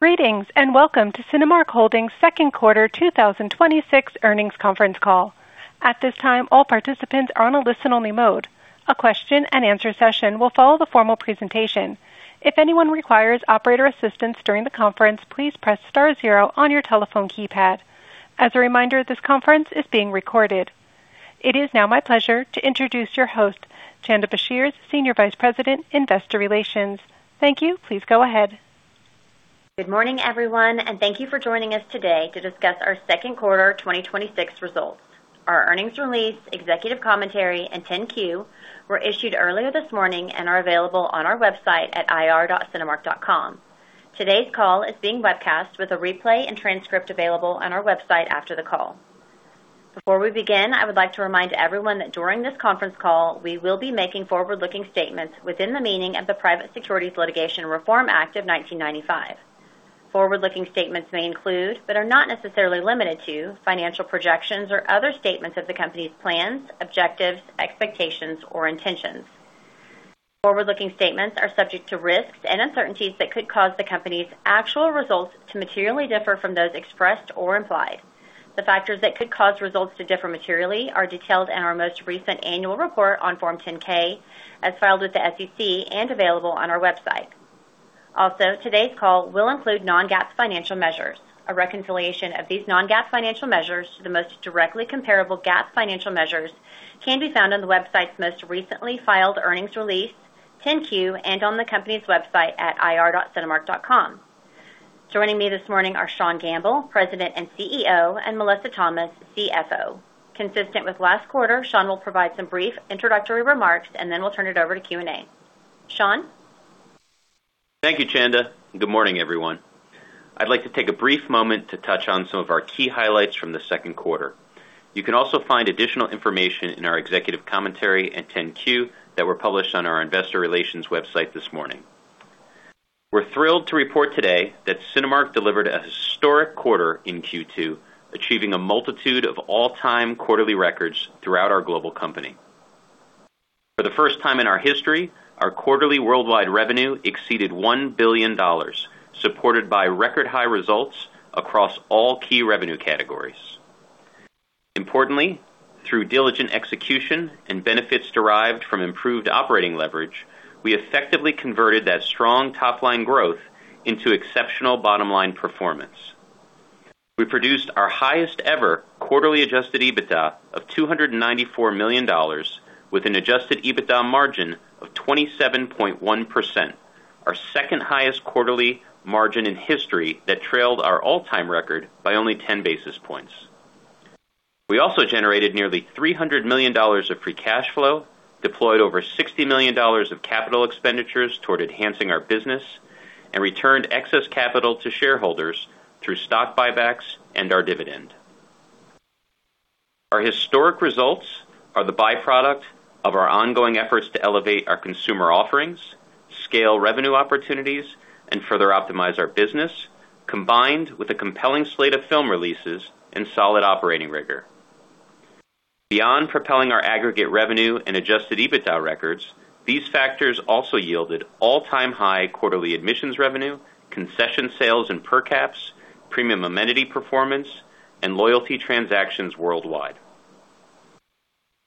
Greetings, welcome to Cinemark Holdings' second quarter 2026 earnings conference call. At this time, all participants are on a listen-only mode. A question-and-answer session will follow the formal presentation. If anyone requires operator assistance during the conference, please press star zero on your telephone keypad. As a reminder, this conference is being recorded. It is now my pleasure to introduce your host, Chanda Brashears, Senior Vice President, Investor Relations. Thank you. Please go ahead. Good morning, everyone, thank you for joining us today to discuss our second quarter 2026 results. Our earnings release, executive commentary, and 10-Q were issued earlier this morning and are available on our website at ir.cinemark.com. Today's call is being webcast with a replay and transcript available on our website after the call. Before we begin, I would like to remind everyone that during this conference call, we will be making forward-looking statements within the meaning of the Private Securities Litigation Reform Act of 1995. Forward-looking statements may include, but are not necessarily limited to, financial projections or other statements of the company's plans, objectives, expectations, or intentions. Forward-looking statements are subject to risks and uncertainties that could cause the company's actual results to materially differ from those expressed or implied. The factors that could cause results to differ materially are detailed in our most recent annual report on Form 10-K, as filed with the SEC and available on our website. Today's call will include non-GAAP financial measures. A reconciliation of these non-GAAP financial measures to the most directly comparable GAAP financial measures can be found on the website's most recently filed earnings release, 10-Q, and on the company's website at ir.cinemark.com. Joining me this morning are Sean Gamble, President and CEO, and Melissa Thomas, CFO. Consistent with last quarter, Sean will provide some brief introductory remarks, then we'll turn it over to Q&A. Sean? Thank you, Chanda. Good morning, everyone. I'd like to take a brief moment to touch on some of our key highlights from the second quarter. You can also find additional information in our executive commentary and 10-Q that were published on our investor relations website this morning. We're thrilled to report today that Cinemark delivered a historic quarter in Q2, achieving a multitude of all-time quarterly records throughout our global company. For the first time in our history, our quarterly worldwide revenue exceeded $1 billion, supported by record-high results across all key revenue categories. Importantly, through diligent execution and benefits derived from improved operating leverage, we effectively converted that strong top-line growth into exceptional bottom-line performance. We produced our highest-ever quarterly Adjusted EBITDA of $294 million with an Adjusted EBITDA margin of 27.1%, our second highest quarterly margin in history that trailed our all-time record by only ten basis points. We also generated nearly $300 million of free cash flow, deployed over $60 million of capital expenditures toward enhancing our business, and returned excess capital to shareholders through stock buybacks and our dividend. Our historic results are the byproduct of our ongoing efforts to elevate our consumer offerings, scale revenue opportunities, and further optimize our business, combined with a compelling slate of film releases and solid operating rigor. Beyond propelling our aggregate revenue and Adjusted EBITDA records, these factors also yielded all-time high quarterly admissions revenue, concession sales and per caps, premium amenity performance, and loyalty transactions worldwide.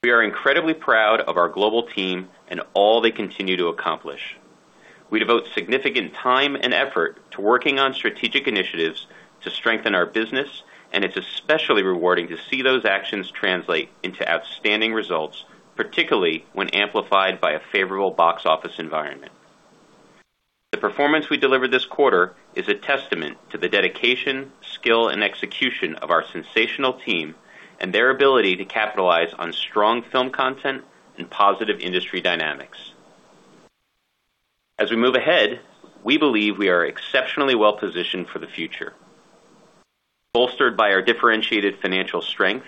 We are incredibly proud of our global team and all they continue to accomplish. We devote significant time and effort to working on strategic initiatives to strengthen our business, and it's especially rewarding to see those actions translate into outstanding results, particularly when amplified by a favorable box office environment. The performance we delivered this quarter is a testament to the dedication, skill, and execution of our sensational team and their ability to capitalize on strong film content and positive industry dynamics. As we move ahead, we believe we are exceptionally well-positioned for the future. Bolstered by our differentiated financial strength,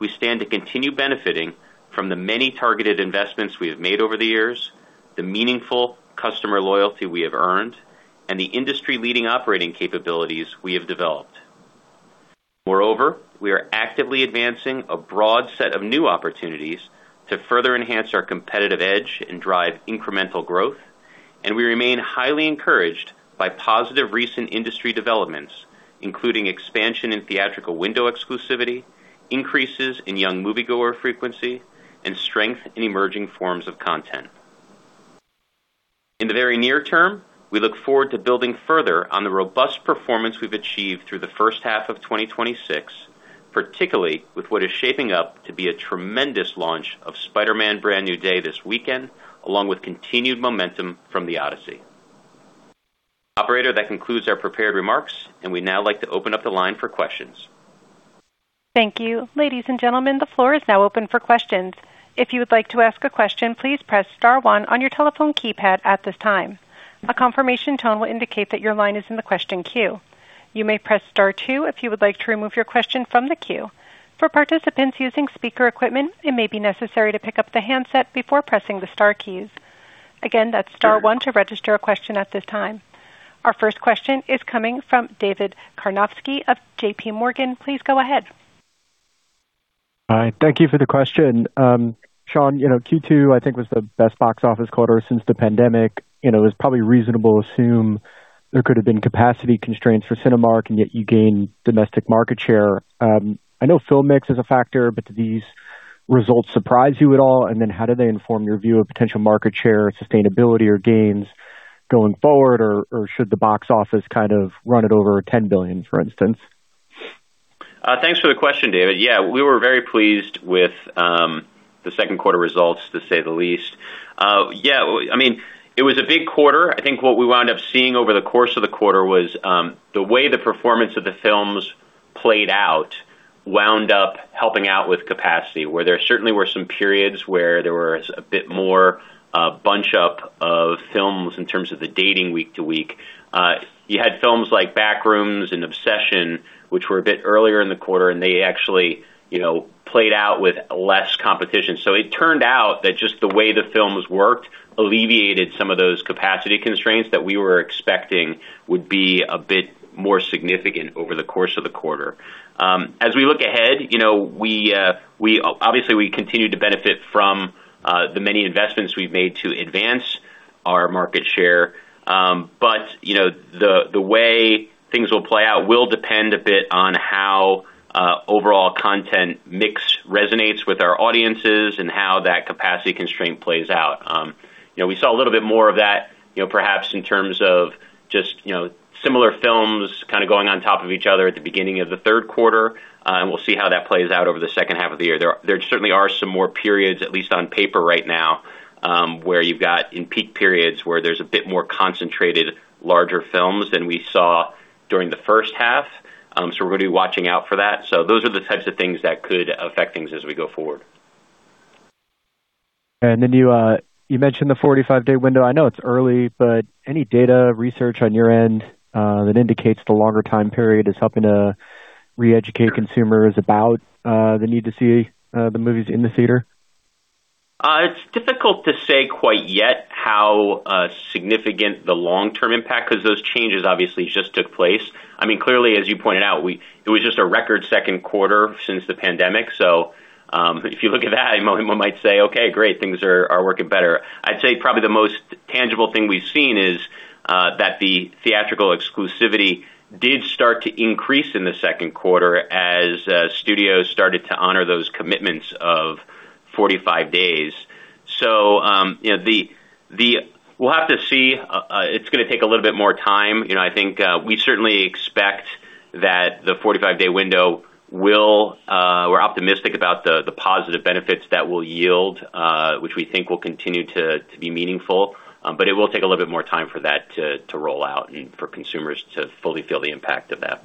we stand to continue benefiting from the many targeted investments we have made over the years, the meaningful customer loyalty we have earned, and the industry-leading operating capabilities we have developed. Moreover, we are actively advancing a broad set of new opportunities to further enhance our competitive edge and drive incremental growth, and we remain highly encouraged by positive recent industry developments, including expansion in theatrical window exclusivity, increases in young moviegoer frequency, and strength in emerging forms of content. In the very near term, we look forward to building further on the robust performance we've achieved through the first half of 2026, particularly with what is shaping up to be a tremendous launch of "Spider-Man: Brand New Day" this weekend, along with continued momentum from "The Odyssey." Operator, that concludes our prepared remarks, and we'd now like to open up the line for questions. Thank you. Ladies and gentlemen, the floor is now open for questions. If you would like to ask a question, please press star one on your telephone keypad at this time. A confirmation tone will indicate that your line is in the question queue. You may press star two if you would like to remove your question from the queue. For participants using speaker equipment, it may be necessary to pick up the handset before pressing the star keys. Again, that's star one to register a question at this time. Our first question is coming from David Karnovsky of J.P. Morgan. Please go ahead. Hi. Thank you for the question. Sean, Q2, I think was the best box office quarter since the pandemic. It's probably reasonable to assume there could have been capacity constraints for Cinemark, yet you gained domestic market share. I know film mix is a factor, do these results surprise you at all? How do they inform your view of potential market share sustainability or gains going forward? Should the box office kind of run it over $10 billion, for instance? Thanks for the question, David. We were very pleased with the second quarter results, to say the least. It was a big quarter. I think what we wound up seeing over the course of the quarter was the way the performance of the films played out wound up helping out with capacity, where there certainly were some periods where there was a bit more bunch up of films in terms of the dating week to week. You had films like "Backrooms" and "Obsession," which were a bit earlier in the quarter, and they actually played out with less competition. It turned out that just the way the films worked alleviated some of those capacity constraints that we were expecting would be a bit more significant over the course of the quarter. As we look ahead, obviously we continue to benefit from the many investments we've made to advance our market share. The way things will play out will depend a bit on how overall content mix resonates with our audiences and how that capacity constraint plays out. We saw a little bit more of that perhaps in terms of just similar films kind of going on top of each other at the beginning of the third quarter, we'll see how that plays out over the second half of the year. There certainly are some more periods, at least on paper right now, where you've got in peak periods where there's a bit more concentrated, larger films than we saw during the first half. We're going to be watching out for that. Those are the types of things that could affect things as we go forward. You mentioned the 45-day window. I know it's early, any data research on your end that indicates the longer time period is helping to re-educate consumers about the need to see the movies in the theater? It's difficult to say quite yet how significant the long-term impact, because those changes obviously just took place. Clearly, as you pointed out, it was just a record second quarter since the pandemic. If you look at that, one might say, "Okay, great, things are working better." I'd say probably the most tangible thing we've seen is that the theatrical exclusivity did start to increase in the second quarter as studios started to honor those commitments of 45 days. We'll have to see. It's going to take a little bit more time. I think we certainly expect that the 45-day window we're optimistic about the positive benefits that will yield, which we think will continue to be meaningful. It will take a little bit more time for that to roll out and for consumers to fully feel the impact of that.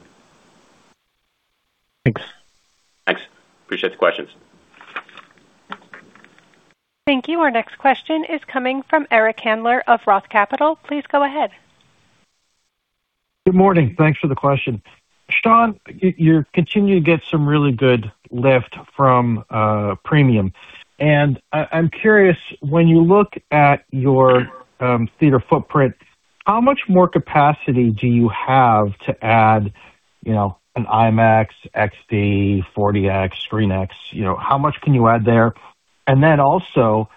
Thanks. Thanks. Appreciate the questions. Thank you. Our next question is coming from Eric Handler of Roth Capital. Please go ahead. Good morning. Thanks for the question. Sean, you continue to get some really good lift from premium. I'm curious, when you look at your theater footprint, how much more capacity do you have to add an IMAX, XD, 4DX, ScreenX? How much can you add there? Then also,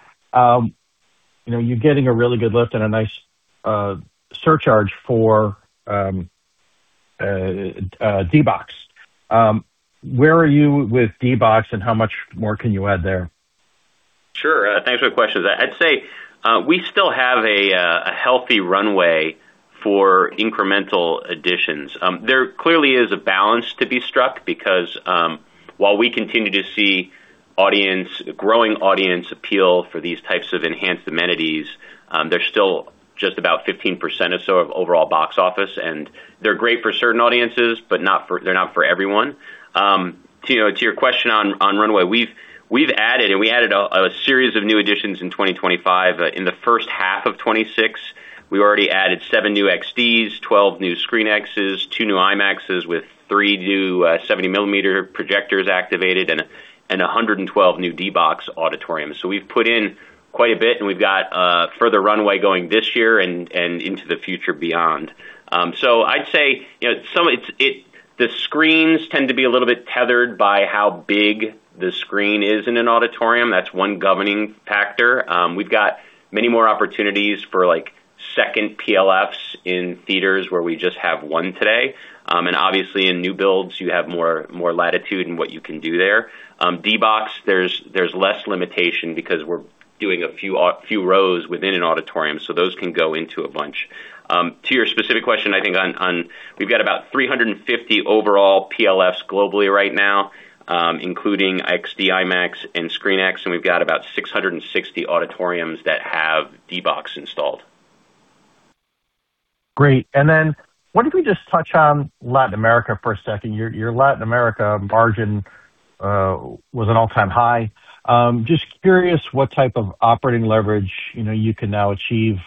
you're getting a really good lift and a nice surcharge for D-BOX. Where are you with D-BOX, and how much more can you add there? Sure. Thanks for the question. I'd say we still have a healthy runway for incremental additions. There clearly is a balance to be struck because while we continue to see growing audience appeal for these types of enhanced amenities, they're still just about 15% or so of overall box office, and they're great for certain audiences, but they're not for everyone. To your question on runway, we've added, and we added a series of new additions in 2025. In the first half of 2026, we already added seven new XDs, 12 new ScreenXs, two new IMAXs with three new 70 mm projectors activated, and 112 new D-BOX auditoriums. We've put in quite a bit, and we've got further runway going this year and into the future beyond. I'd say the screens tend to be a little bit tethered by how big the screen is in an auditorium. That's one governing factor. We've got many more opportunities for second PLFs in theaters where we just have one today. Obviously in new builds, you have more latitude in what you can do there. D-BOX, there's less limitation because we're doing a few rows within an auditorium, so those can go into a bunch. To your specific question, I think we've got about 350 overall PLFs globally right now, including XD, IMAX, and ScreenX, and we've got about 660 auditoriums that have D-BOX installed. Great. Then I wonder if we just touch on Latin America for a second. Your Latin America margin was an all-time high. Just curious what type of operating leverage you can now achieve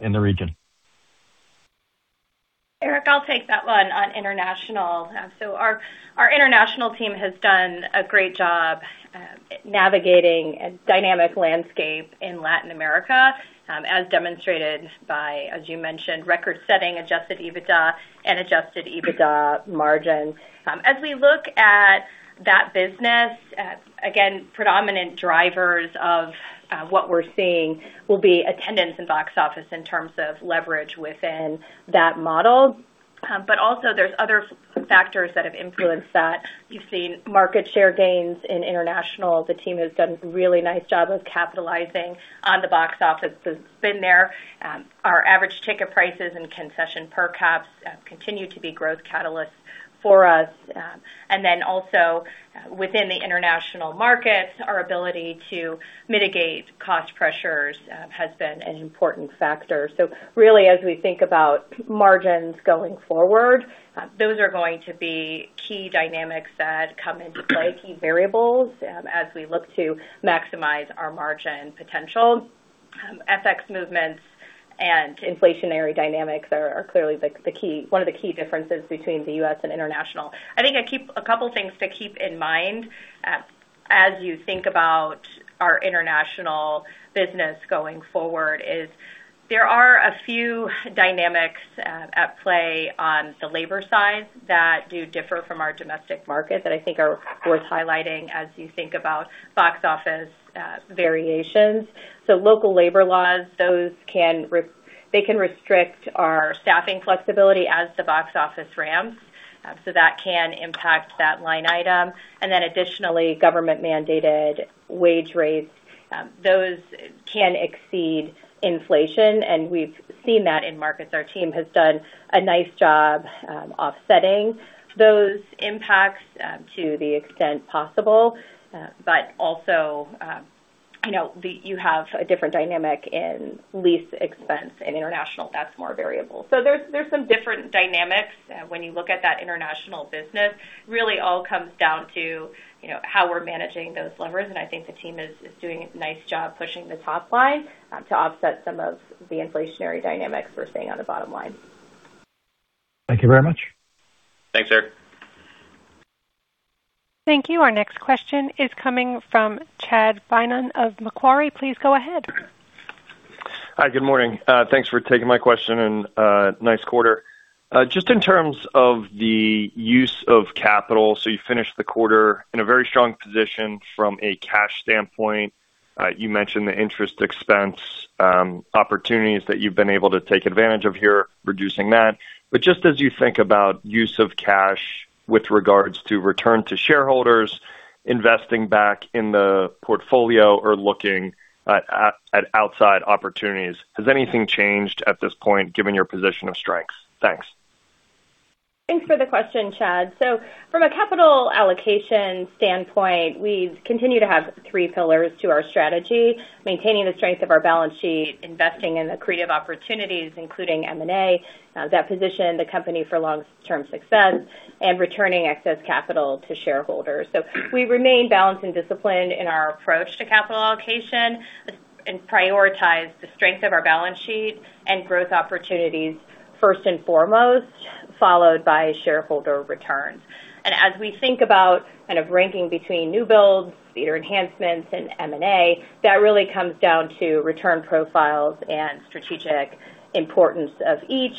in the region. Eric, I'll take that one on international. Our international team has done a great job navigating a dynamic landscape in Latin America, as demonstrated by, as you mentioned, record-setting Adjusted EBITDA and Adjusted EBITDA margin. As we look at that business, again, predominant drivers of what we're seeing will be attendance and box office in terms of leverage within that model. Also there's other factors that have influenced that. You've seen market share gains in international. The team has done a really nice job of capitalizing on the box office that's been there. Our average ticket prices and concession per caps continue to be growth catalysts for us. Also within the international markets, our ability to mitigate cost pressures has been an important factor. Really, as we think about margins going forward, those are going to be key dynamics that come into play, key variables, as we look to maximize our margin potential. FX movements and inflationary dynamics are clearly one of the key differences between the U.S. and international. I think a couple things to keep in mind, as you think about our international business going forward, is there are a few dynamics at play on the labor side that do differ from our domestic market that I think are worth highlighting as you think about box office variations. Local labor laws, they can restrict our staffing flexibility as the box office ramps. That can impact that line item. Additionally, government-mandated wage rates, those can exceed inflation, and we've seen that in markets. Our team has done a nice job offsetting those impacts to the extent possible. Also, you have a different dynamic in lease expense in international that's more variable. There's some different dynamics when you look at that international business. Really all comes down to how we're managing those levers, I think the team is doing a nice job pushing the top line to offset some of the inflationary dynamics we're seeing on the bottom line. Thank you very much. Thanks, Eric. Thank you. Our next question is coming from Chad Beynon of Macquarie. Please go ahead. Hi. Good morning. Thanks for taking my question and nice quarter. Just in terms of the use of capital, you finished the quarter in a very strong position from a cash standpoint. You mentioned the interest expense opportunities that you've been able to take advantage of here, reducing that. Just as you think about use of cash with regards to return to shareholders, investing back in the portfolio or looking at outside opportunities, has anything changed at this point, given your position of strengths? Thanks. Thanks for the question, Chad. From a capital allocation standpoint, we continue to have three pillars to our strategy: maintaining the strength of our balance sheet, investing in accretive opportunities, including M&A, that position the company for long-term success, and returning excess capital to shareholders. We remain balanced and disciplined in our approach to capital allocation and prioritize the strength of our balance sheet and growth opportunities first and foremost, followed by shareholder return. As we think about kind of ranking between new builds, theater enhancements, and M&A, that really comes down to return profiles and strategic importance of each.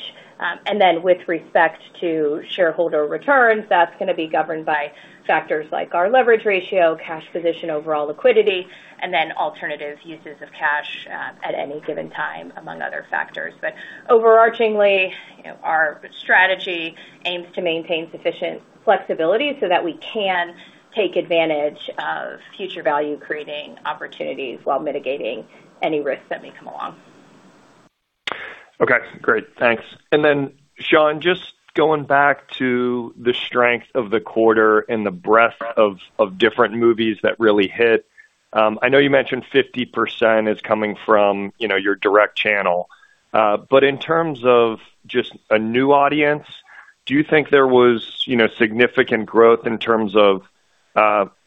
Then with respect to shareholder returns, that's going to be governed by factors like our leverage ratio, cash position, overall liquidity, and then alternative uses of cash at any given time, among other factors. Overarchingly, our strategy aims to maintain sufficient flexibility so that we can take advantage of future value-creating opportunities while mitigating any risks that may come along. Okay, great. Thanks. Sean, just going back to the strength of the quarter and the breadth of different movies that really hit. I know you mentioned 50% is coming from your direct channel. In terms of just a new audience, do you think there was significant growth in terms of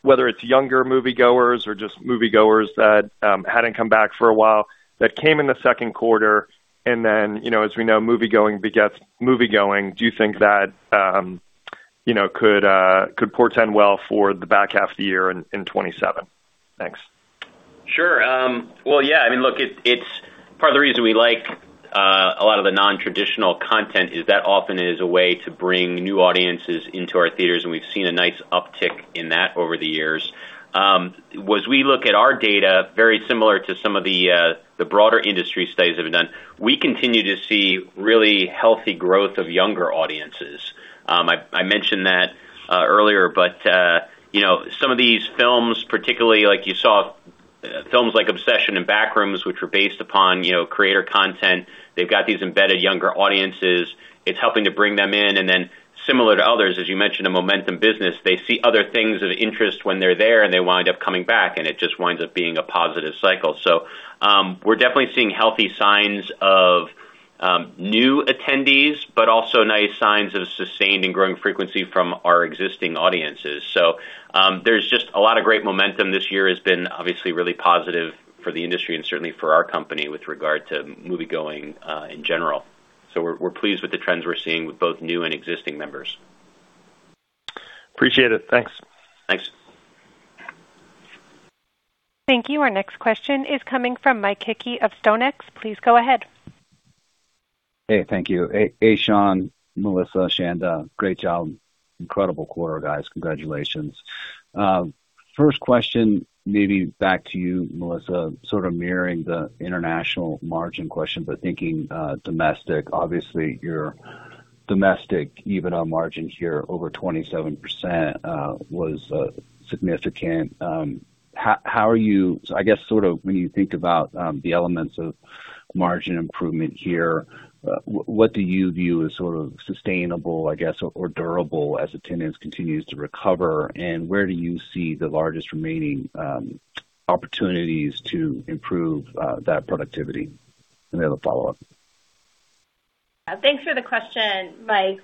whether it's younger moviegoers or just moviegoers that hadn't come back for a while, that came in the second quarter, as we know, moviegoing begets moviegoing? Do you think that could portend well for the back half of the year in 2027? Thanks. Sure. Well, yeah, look, part of the reason we like a lot of the non-traditional content is that often is a way to bring new audiences into our theaters. We've seen a nice uptick in that over the years. As we look at our data, very similar to some of the broader industry studies that have been done, we continue to see really healthy growth of younger audiences. I mentioned that earlier, some of these films, particularly like you saw films like "Obsession" and "Backrooms," which were based upon creator content. They've got these embedded younger audiences. It's helping to bring them in, similar to others, as you mentioned, a momentum business. They see other things of interest when they're there, they wind up coming back, it just winds up being a positive cycle. We're definitely seeing healthy signs of new attendees, also nice signs of sustained and growing frequency from our existing audiences. There's just a lot of great momentum. This year has been obviously really positive for the industry and certainly for our company with regard to moviegoing in general. We're pleased with the trends we're seeing with both new and existing members. Appreciate it. Thanks. Thanks. Thank you. Our next question is coming from Mike Hickey of StoneX. Please go ahead. Hey, thank you. Hey, Sean, Melissa, Chanda, great job. Incredible quarter, guys. Congratulations. First question, maybe back to you, Melissa, sort of mirroring the international margin question, but thinking domestic, obviously, your domestic EBITDA margin here over 27% was significant. When you think about the elements of margin improvement here, what do you view as sort of sustainable, I guess, or durable as attendance continues to recover? Where do you see the largest remaining opportunities to improve that productivity? Then a follow-up. Thanks for the question, Mike.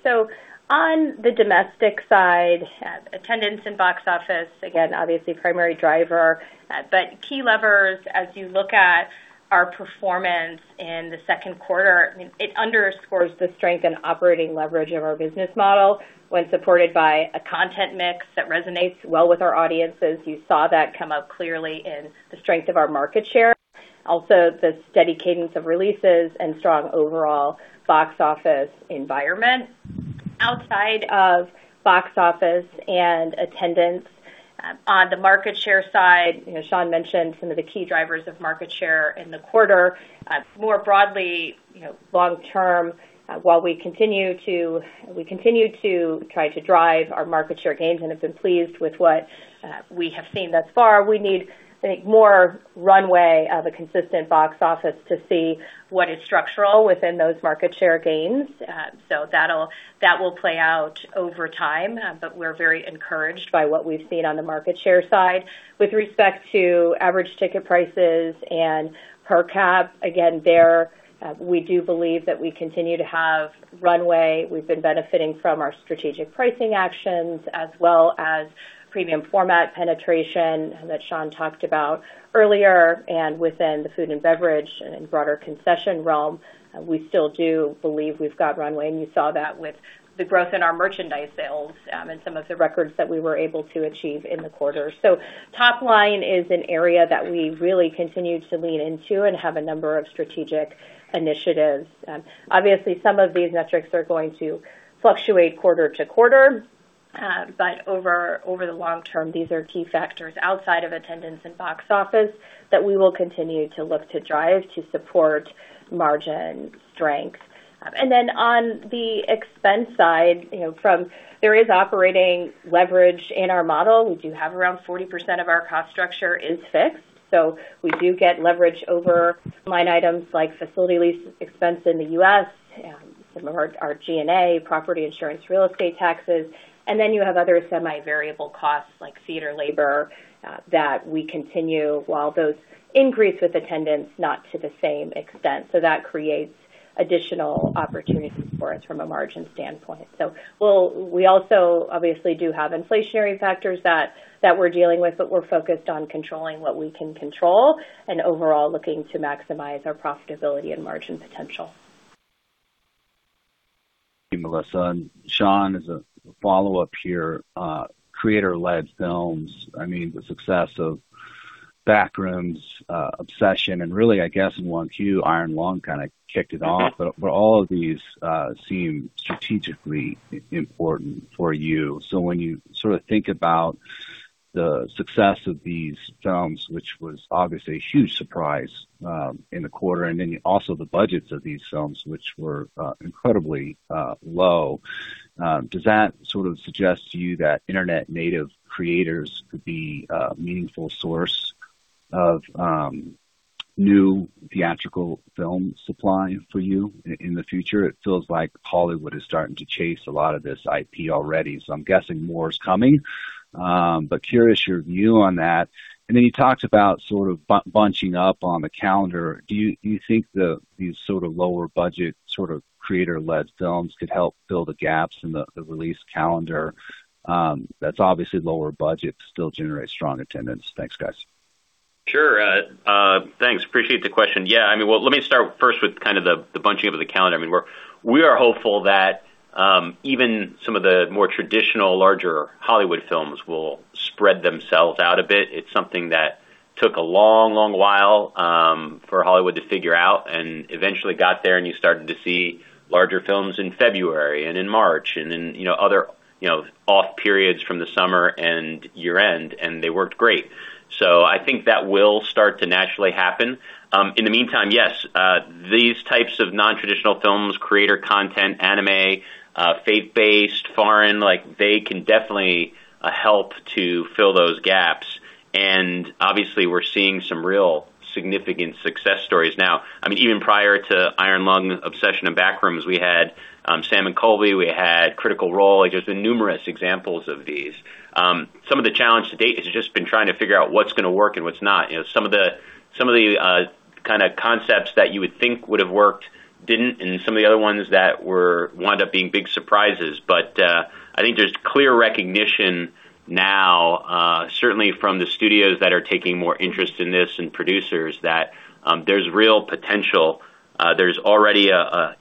On the domestic side, attendance and box office, again, obviously primary driver, but key levers as you look at our performance in the second quarter, it underscores the strength and operating leverage of our business model when supported by a content mix that resonates well with our audiences. You saw that come up clearly in the strength of our market share. Also, the steady cadence of releases and strong overall box office environment. Outside of box office and attendance, on the market share side, Sean mentioned some of the key drivers of market share in the quarter. More broadly, long-term, while we continue to try to drive our market share gains and have been pleased with what we have seen thus far, we need more runway of a consistent box office to see what is structural within those market share gains. That will play out over time, but we're very encouraged by what we've seen on the market share side. With respect to average ticket prices and per cap, again, there, we do believe that we continue to have runway. We've been benefiting from our strategic pricing actions as well as premium format penetration that Sean talked about earlier, within the food and beverage and broader concession realm, we still do believe we've got runway, and you saw that with the growth in our merchandise sales and some of the records that we were able to achieve in the quarter. Top line is an area that we really continue to lean into and have a number of strategic initiatives. Obviously, some of these metrics are going to fluctuate quarter to quarter, but over the long term, these are key factors outside of attendance and box office that we will continue to look to drive to support margin strength. On the expense side, there is operating leverage in our model. We do have around 40% of our cost structure is fixed, so we do get leverage over line items like facility lease expense in the U.S., similar to our G&A, property insurance, real estate taxes, and then you have other semi-variable costs like theater labor that we continue while those increase with attendance, not to the same extent. That creates additional opportunities for us from a margin standpoint. We also obviously do have inflationary factors that we're dealing with, but we're focused on controlling what we can control and overall looking to maximize our profitability and margin potential. Melissa and Sean, as a follow-up here, creator-led films, I mean, the success of Backrooms, Obsession, and really, I guess in 1Q, Iron Lung kind of kicked it off, but for all of these seem strategically important for you. When you sort of think about the success of these films, which was obviously a huge surprise in the quarter, and then also the budgets of these films, which were incredibly low, does that sort of suggest to you that internet-native creators could be a meaningful source of new theatrical film supply for you in the future? It feels like Hollywood is starting to chase a lot of this IP already, I'm guessing more is coming. Curious your view on that. You talked about sort of bunching up on the calendar. Do you think these sort of lower budget, sort of creator-led films could help fill the gaps in the release calendar that's obviously lower budget but still generate strong attendance? Thanks, guys. Sure. Thanks. Appreciate the question. Well, let me start first with kind of the bunching up of the calendar. We are hopeful that even some of the more traditional, larger Hollywood films will spread themselves out a bit. It's something that took a long, long while for Hollywood to figure out and eventually got there, and you started to see larger films in February and in March, and in other off periods from the summer and year-end, and they worked great. I think that will start to naturally happen. In the meantime, yes, these types of non-traditional films, creator content, anime, faith-based, foreign, they can definitely help to fill those gaps. We're seeing some real significant success stories now. Even prior to Iron Lung, Obsession, and Backrooms, we had Sam and Colby, we had Critical Role. There's been numerous examples of these. Some of the challenge to date has just been trying to figure out what's going to work and what's not. Some of the kind of concepts that you would think would have worked didn't, and some of the other ones that wound up being big surprises. I think there's clear recognition now certainly from the studios that are taking more interest in this, and producers, that there's real potential. There's already a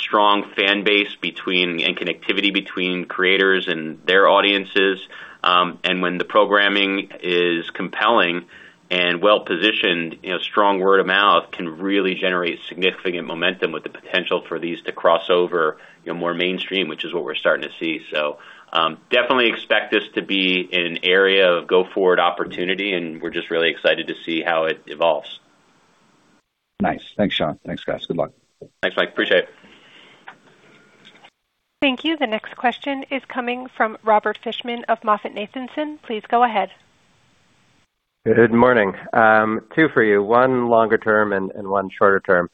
strong fan base and connectivity between creators and their audiences. When the programming is compelling and well-positioned, strong word of mouth can really generate significant momentum with the potential for these to cross over more mainstream, which is what we're starting to see. Definitely expect this to be an area of go-forward opportunity, and we're just really excited to see how it evolves. Nice. Thanks, Sean. Thanks, guys. Good luck. Thanks, Mike. Appreciate it. Thank you. The next question is coming from Robert Fishman of MoffettNathanson. Please go ahead. Good morning. Two for you, one longer-term and one shorter-term.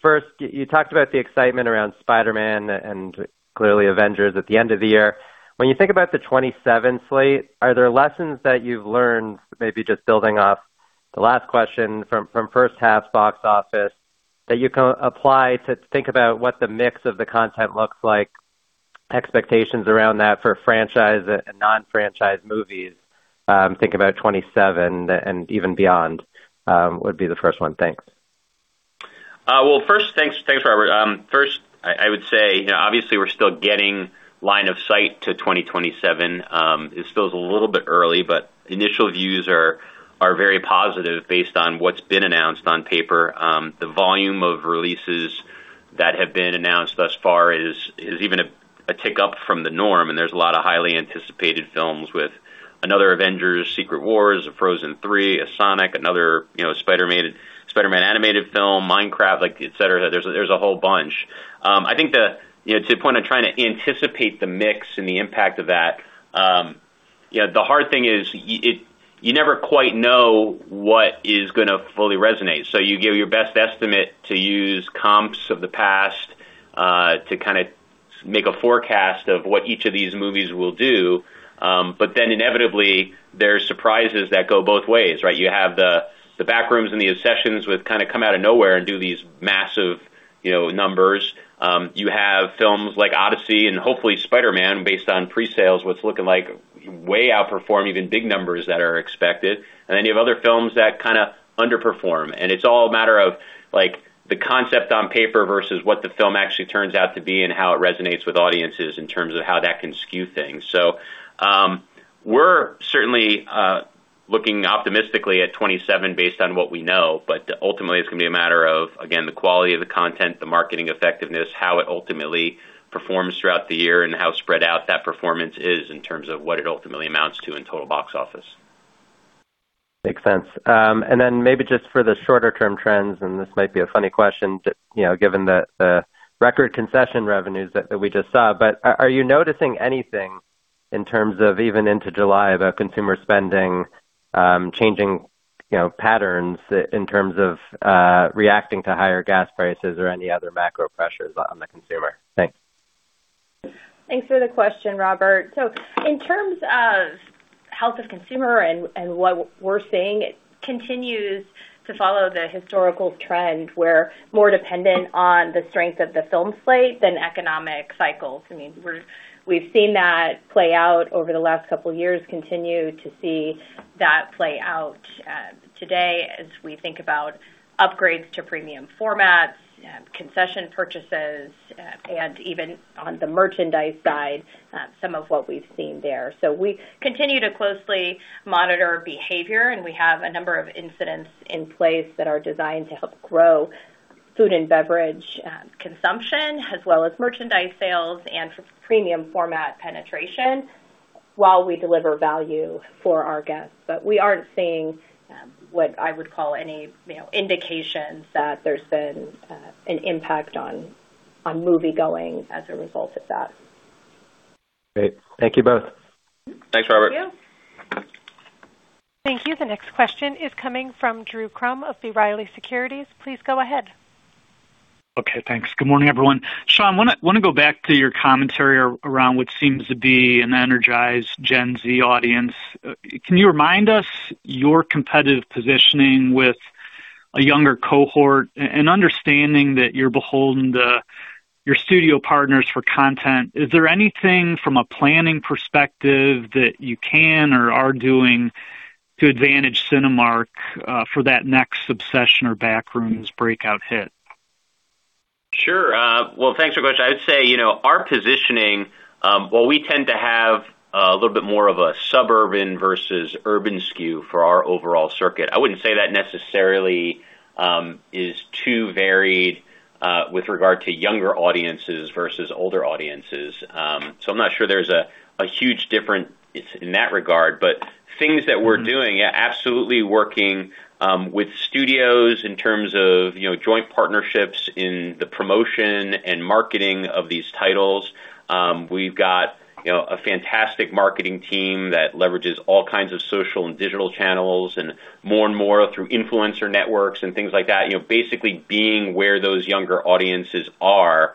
First, you talked about the excitement around "Spider-Man" and clearly "Avengers" at the end of the year. When you think about the 2027 slate, are there lessons that you've learned, maybe just building off the last question from first half box office, that you can apply to think about what the mix of the content looks like, expectations around that for franchise and non-franchise movies? Think about 2027 and even beyond, would be the first one. Thanks. Well, first, thanks, Robert. First, I would say, obviously, we're still getting line of sight to 2027. It still is a little bit early, but initial views are very positive based on what's been announced on paper. The volume of releases that have been announced thus far is even a tick up from the norm, and there's a lot of highly anticipated films with another "Avengers: Secret Wars," a "Frozen 3," a "Sonic," another “Spider-Man” animated film, "Minecraft," et cetera. There's a whole bunch. I think to the point of trying to anticipate the mix and the impact of that, the hard thing is you never quite know what is going to fully resonate. You give your best estimate to use comps of the past, to kind of make a forecast of what each of these movies will do. Inevitably, there's surprises that go both ways, right? You have the "Backrooms" and the "Obsessions" which kind of come out of nowhere and do these massive numbers. You have films like "Odyssey" and hopefully "Spider-Man," based on pre-sales, what's looking like way outperform even big numbers that are expected. You have other films that kind of underperform, and it's all a matter of the concept on paper versus what the film actually turns out to be and how it resonates with audiences in terms of how that can skew things. We're certainly looking optimistically at 2027 based on what we know, but ultimately, it's going to be a matter of, again, the quality of the content, the marketing effectiveness, how it ultimately performs throughout the year, and how spread out that performance is in terms of what it ultimately amounts to in total box office. Makes sense. Maybe just for the shorter-term trends, this might be a funny question, given the record concession revenues that we just saw, are you noticing anything in terms of even into July, about consumer spending, changing patterns in terms of reacting to higher gas prices or any other macro pressures on the consumer? Thanks. Thanks for the question, Robert. In terms of health of consumer and what we're seeing, it continues to follow the historical trend. We're more dependent on the strength of the film slate than economic cycles. I mean, we've seen that play out over the last two years, continue to see that play out today as we think about upgrades to premium formats, concession purchases, and even on the merchandise side, some of what we've seen there. We continue to closely monitor behavior, and we have a number of incentives in place that are designed to help grow food and beverage consumption, as well as merchandise sales and premium format penetration while we deliver value for our guests. We aren't seeing what I would call any indications that there's been an impact on moviegoing as a result of that. Great. Thank you both. Thanks, Robert. Thank you. Thank you. The next question is coming from Drew Crum of B. Riley Securities. Please go ahead. Okay, thanks. Good morning, everyone. Sean, want to go back to your commentary around what seems to be an energized Gen Z audience. Can you remind us your competitive positioning with a younger cohort and understanding that you're beholden to your studio partners for content? Is there anything from a planning perspective that you can or are doing to advantage Cinemark for that next "Obsession" or "Backrooms" breakout hit? Sure. Well, thanks for the question. I would say our positioning, while we tend to have a little bit more of a suburban versus urban skew for our overall circuit. I wouldn't say that necessarily is too very with regard to younger audiences versus older audiences. I'm not sure there's a huge difference in that regard, but things that we're doing, absolutely working with studios in terms of joint partnerships in the promotion and marketing of these titles. We've got a fantastic marketing team that leverages all kinds of social and digital channels and more and more through influencer networks and things like that. Basically being where those younger audiences are,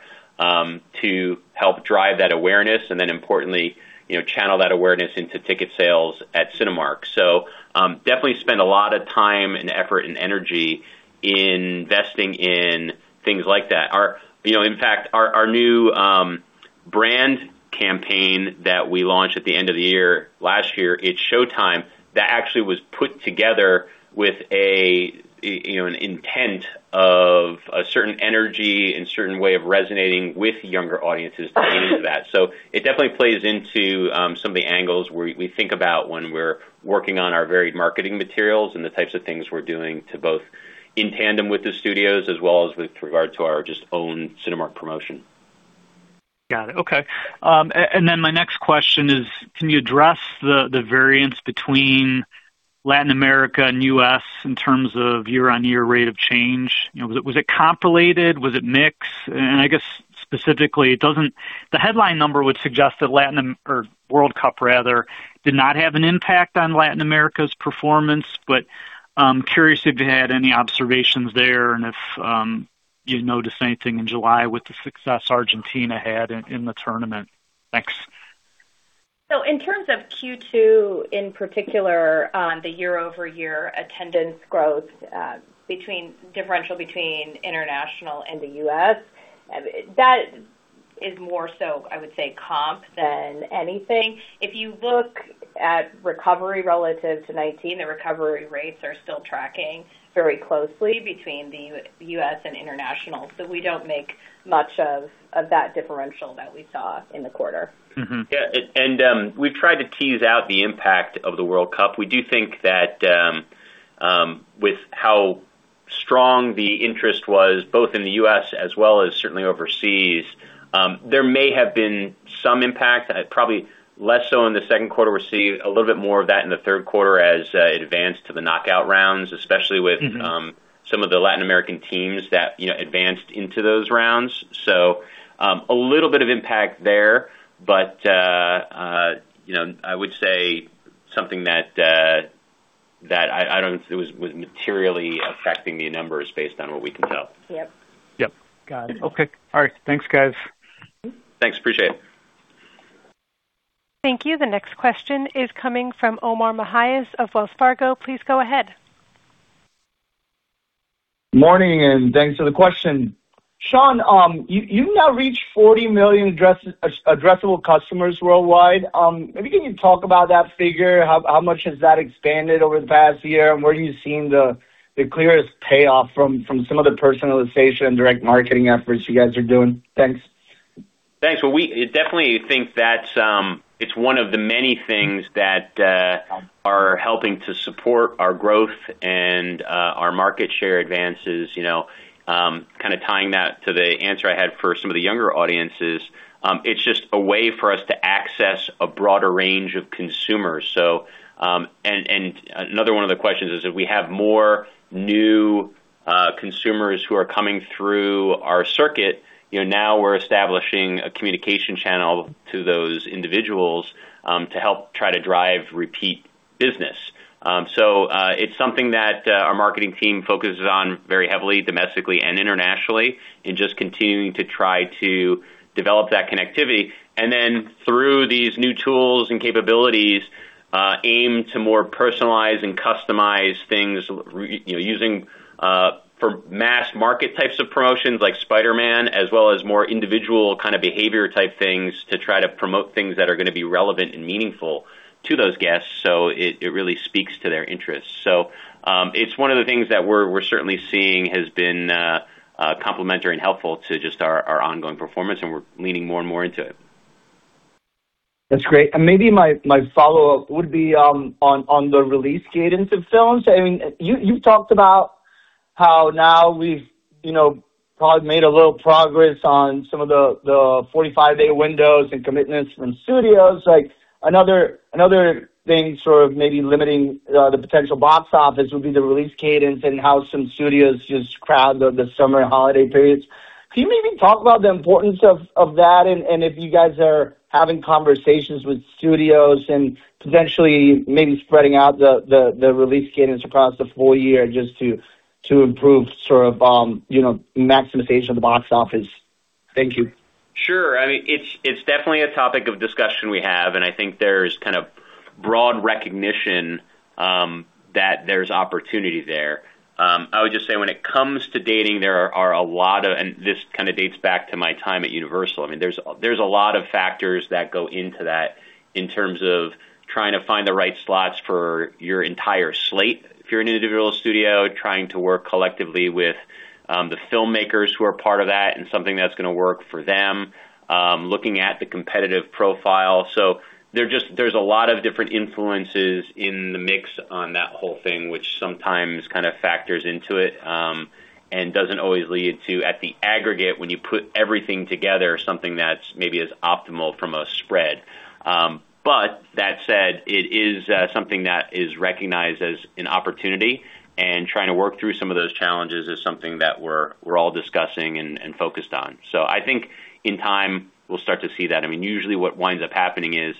to help drive that awareness and then importantly, channel that awareness into ticket sales at Cinemark. Definitely spend a lot of time and effort and energy investing in things like that. In fact, our new Brand campaign that we launched at the end of the year, last year, It's Show Time, that actually was put together with an intent of a certain energy and certain way of resonating with younger audiences to lean into that. It definitely plays into some of the angles we think about when we're working on our varied marketing materials and the types of things we're doing to both in tandem with the studios, as well as with regard to our just own Cinemark promotion. Got it. Okay. My next question is, can you address the variance between Latin America and U.S. in terms of year-on-year rate of change? Was it composited? Was it mixed? I guess specifically, the headline number would suggest that World Cup rather, did not have an impact on Latin America's performance. I'm curious if you had any observations there and if you noticed anything in July with the success Argentina had in the tournament. Thanks. In terms of Q2, in particular on the year-over-year attendance growth differential between international and the U.S., that is more so, I would say, comp than anything. If you look at recovery relative to 2019, the recovery rates are still tracking very closely between the U.S. and international. We don't make much of that differential that we saw in the quarter. Yeah. We've tried to tease out the impact of the World Cup. We do think that with how strong the interest was, both in the U.S. as well as certainly overseas, there may have been some impact, probably less so in the second quarter. We're seeing a little bit more of that in the third quarter as it advanced to the knockout rounds, especially with. some of the Latin American teams that advanced into those rounds. A little bit of impact there. I would say something that I don't think was materially affecting the numbers based on what we can tell. Yep. Yep. Got it. Okay. All right. Thanks, guys. Thanks. Appreciate it. Thank you. The next question is coming from Omar Mejias of Wells Fargo. Please go ahead. Morning. Thanks for the question. Sean, you've now reached 40 million addressable customers worldwide. Can you talk about that figure? How much has that expanded over the past year? Where are you seeing the clearest payoff from some of the personalization and direct marketing efforts you guys are doing? Thanks. Thanks. We definitely think that it's one of the many things that are helping to support our growth and our market share advances. Tying that to the answer I had for some of the younger audiences. It's just a way for us to access a broader range of consumers. Another one of the questions is if we have more new consumers who are coming through our circuit, now we're establishing a communication channel to those individuals, to help try to drive repeat business. It's something that our marketing team focuses on very heavily, domestically and internationally, in just continuing to try to develop that connectivity. Through these new tools and capabilities, aim to more personalize and customize things, using mass market types of promotions like Spider-Man, as well as more individual behavior type things to try to promote things that are going to be relevant and meaningful to those guests, so it really speaks to their interests. It's one of the things that we're certainly seeing has been complementary and helpful to just our ongoing performance, and we're leaning more and more into it. That's great. My follow-up would be on the release cadence of films. You talked about how now we've probably made a little progress on some of the 45-day windows and commitments from studios. Another thing sort of limiting the potential box office would be the release cadence and how some studios just crowd the summer holiday periods. Can you talk about the importance of that, and if you guys are having conversations with studios and potentially spreading out the release cadence across the full year just to improve maximization of the box office? Thank you. Sure. It's definitely a topic of discussion we have, and I think there's kind of broad recognition that there's opportunity there. I would just say when it comes to dating, there are a lot of factors that go into that in terms of trying to find the right slots for your entire slate if you're an individual studio, trying to work collectively with the filmmakers who are part of that and something that's going to work for them, looking at the competitive profile. There's a lot of different influences in the mix on that whole thing, which sometimes kind of factors into it, and doesn't always lead to, at the aggregate, when you put everything together, something that's maybe as optimal from a spread. That said, it is something that is recognized as an opportunity, and trying to work through some of those challenges is something that we're all discussing and focused on. I think in time, we'll start to see that. Usually what winds up happening is,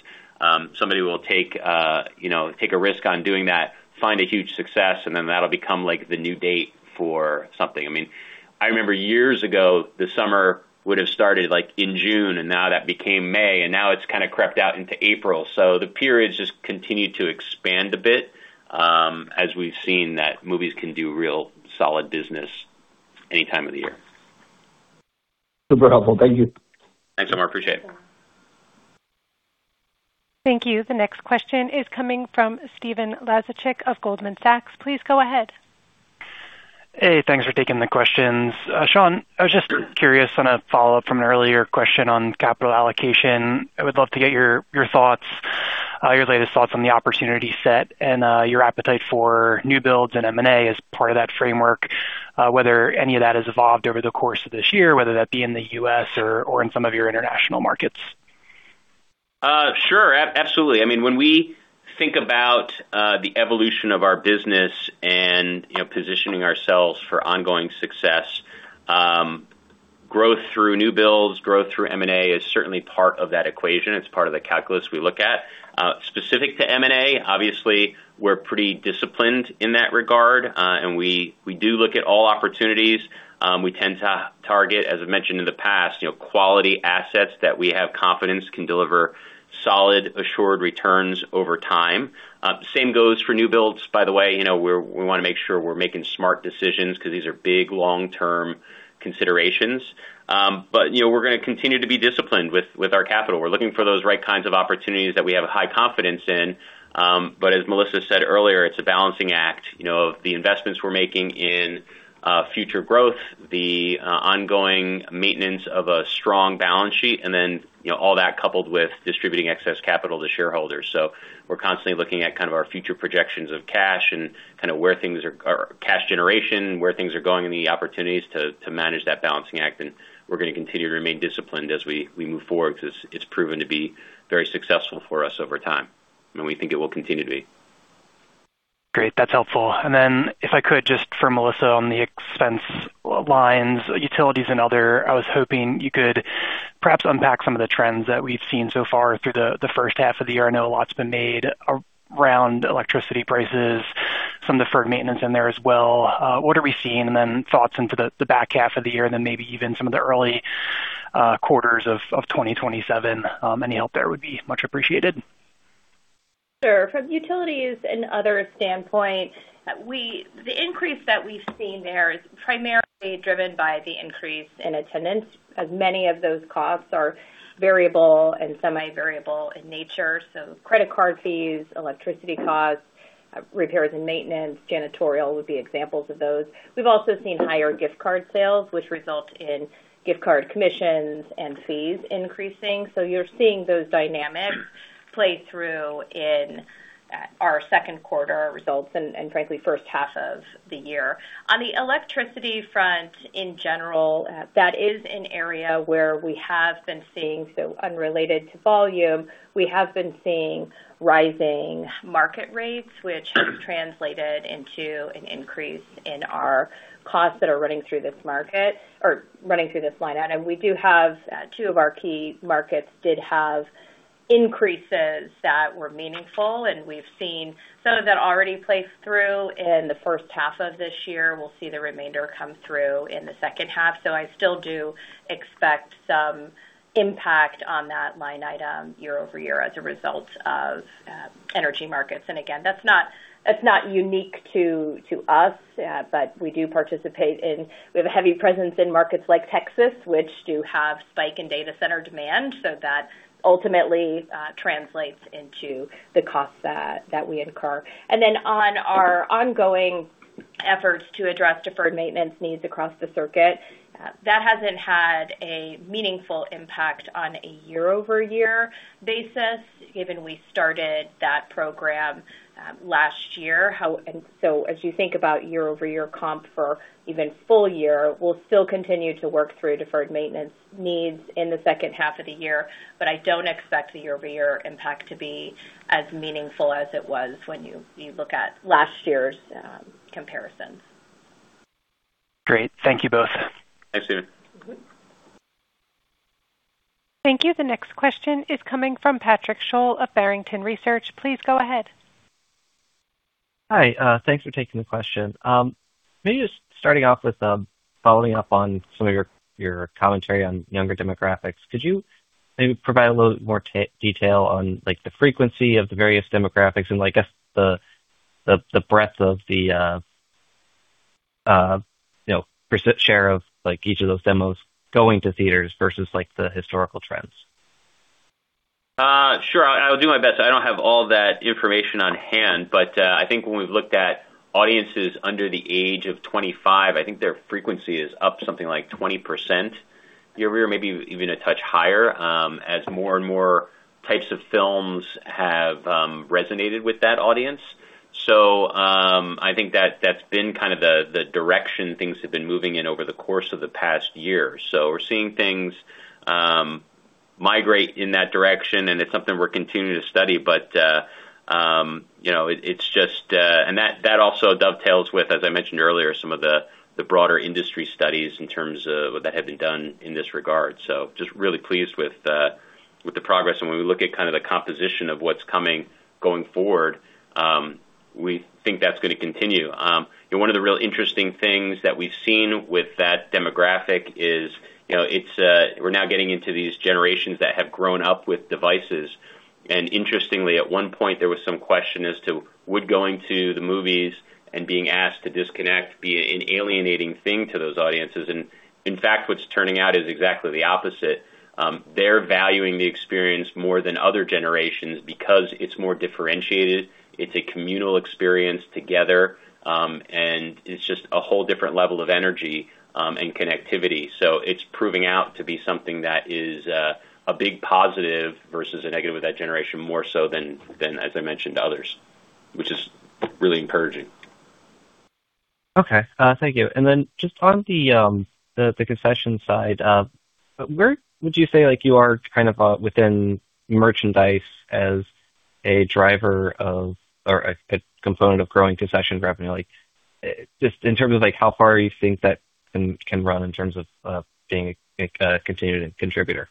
somebody will take a risk on doing that, find a huge success, and then that'll become the new date for something. I remember years ago, the summer would've started in June, and now that became May, and now it's kind of crept out into April. The periods just continue to expand a bit. As we've seen that movies can do real solid business any time of the year. Super helpful. Thank you. Thanks, Omar. Appreciate it. Thank you. The next question is coming from Stephen Laszczyk of Goldman Sachs. Please go ahead. Hey, thanks for taking the questions. Sean, I was just curious on a follow-up from an earlier question on capital allocation. I would love to get your latest thoughts on the opportunity set and your appetite for new builds and M&A as part of that framework. Whether any of that has evolved over the course of this year, whether that be in the U.S. or in some of your international markets. Sure. Absolutely. When we think about the evolution of our business and positioning ourselves for ongoing success, growth through new builds, growth through M&A is certainly part of that equation. It's part of the calculus we look at. Specific to M&A, obviously, we're pretty disciplined in that regard. We do look at all opportunities. We tend to target, as I've mentioned in the past, quality assets that we have confidence can deliver solid, assured returns over time. Same goes for new builds, by the way. We want to make sure we're making smart decisions because these are big, long-term considerations. We're going to continue to be disciplined with our capital. We're looking for those right kinds of opportunities that we have high confidence in. As Melissa said earlier, it's a balancing act of the investments we're making in future growth, the ongoing maintenance of a strong balance sheet, and then all that coupled with distributing excess capital to shareholders. We're constantly looking at our future projections of cash and cash generation, where things are going, and the opportunities to manage that balancing act. We're going to continue to remain disciplined as we move forward because it's proven to be very successful for us over time, and we think it will continue to be. That's helpful. If I could just for Melissa on the expense lines, utilities and other, I was hoping you could perhaps unpack some of the trends that we've seen so far through the first half of the year. I know a lot's been made around electricity prices, some deferred maintenance in there as well. What are we seeing? Thoughts into the back half of the year, and then maybe even some of the early quarters of 2027. Any help there would be much appreciated. Sure. From utilities and other standpoint, the increase that we've seen there is primarily driven by the increase in attendance, as many of those costs are variable and semi-variable in nature. Credit card fees, electricity costs, repairs and maintenance, janitorial would be examples of those. We've also seen higher gift card sales, which result in gift card commissions and fees increasing. You're seeing those dynamics play through in our second quarter results and frankly, first half of the year. On the electricity front in general, that is an area where we have been seeing, so unrelated to volume, we have been seeing rising market rates, which has translated into an increase in our costs that are running through this market or running through this line item. Two of our key markets did have increases that were meaningful, and we've seen some of that already play through in the first half of this year. We'll see the remainder come through in the second half. I still do expect some impact on that line item year-over-year as a result of energy markets. That's not unique to us, but we do We have a heavy presence in markets like Texas, which do have spike in data center demand. That ultimately translates into the cost that we incur. On our ongoing efforts to address deferred maintenance needs across the circuit, that hasn't had a meaningful impact on a year-over-year basis, given we started that program last year. As you think about year-over-year comp for even full year, we'll still continue to work through deferred maintenance needs in the second half of the year. I don't expect the year-over-year impact to be as meaningful as it was when you look at last year's comparisons. Great. Thank you both. Thanks, Stephen. Thank you. The next question is coming from Patrick Sholl of Barrington Research. Please go ahead. Hi. Thanks for taking the question. Maybe just starting off with following up on some of your commentary on younger demographics. Could you maybe provide a little bit more detail on the frequency of the various demographics and I guess the breadth of the share of each of those demos going to theaters versus the historical trends? Sure. I'll do my best. I don't have all that information on hand, but I think when we've looked at audiences under the age of 25, I think their frequency is up something like 20% year-over-year, maybe even a touch higher as more and more types of films have resonated with that audience. I think that's been kind of the direction things have been moving in over the course of the past year. We're seeing things migrate in that direction, and it's something we're continuing to study. That also dovetails with, as I mentioned earlier, some of the broader industry studies in terms of what that had been done in this regard. Just really pleased with the progress. When we look at kind of the composition of what's coming going forward, we think that's going to continue. One of the real interesting things that we've seen with that demographic is we're now getting into these generations that have grown up with devices. Interestingly, at one point there was some question as to would going to the movies and being asked to disconnect be an alienating thing to those audiences. In fact, what's turning out is exactly the opposite. They're valuing the experience more than other generations because it's more differentiated, it's a communal experience together, and it's just a whole different level of energy and connectivity. It's proving out to be something that is a big positive versus a negative with that generation, more so than, as I mentioned, others, which is really encouraging. Okay. Thank you. Then just on the concession side, where would you say you are within merchandise as a driver of, or a component of growing concession revenue? Just in terms of how far you think that can run in terms of being a continued contributor.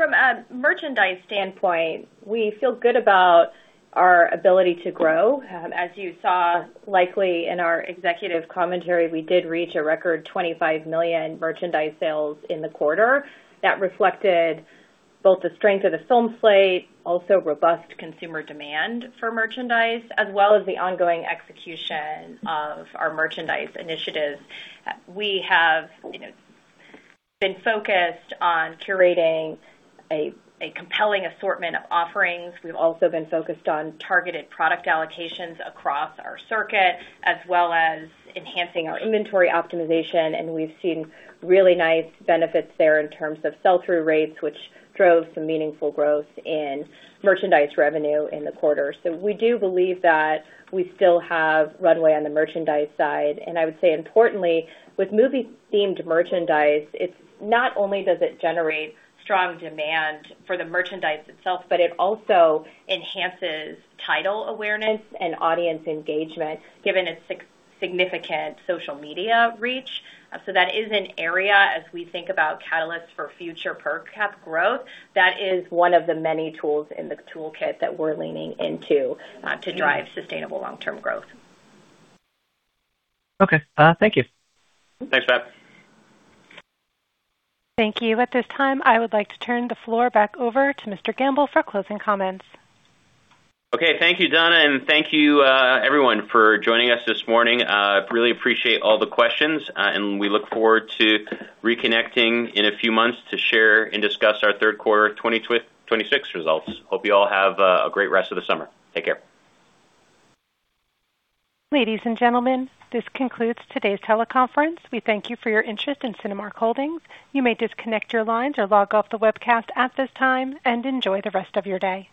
From a merchandise standpoint, we feel good about our ability to grow. As you saw, likely in our executive commentary, we did reach a record $25 million merchandise sales in the quarter. That reflected both the strength of the film slate, also robust consumer demand for merchandise, as well as the ongoing execution of our merchandise initiatives. We have been focused on curating a compelling assortment of offerings. We've also been focused on targeted product allocations across our circuit, as well as enhancing our inventory optimization, and we've seen really nice benefits there in terms of sell-through rates, which drove some meaningful growth in merchandise revenue in the quarter. We do believe that we still have runway on the merchandise side. I would say importantly, with movie-themed merchandise, not only does it generate strong demand for the merchandise itself, but it also enhances title awareness and audience engagement given its significant social media reach. That is an area as we think about catalysts for future per cap growth. That is one of the many tools in the toolkit that we're leaning into to drive sustainable long-term growth. Okay. Thank you. Thanks, Pat. Thank you. At this time, I would like to turn the floor back over to Mr. Gamble for closing comments. Okay. Thank you, Donna. Thank you everyone for joining us this morning. Really appreciate all the questions. We look forward to reconnecting in a few months to share and discuss our third quarter 2026 results. Hope you all have a great rest of the summer. Take care. Ladies and gentlemen, this concludes today's teleconference. We thank you for your interest in Cinemark Holdings. You may disconnect your lines or log off the webcast at this time. Enjoy the rest of your day.